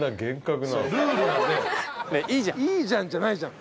「いいじゃん」じゃないじゃん。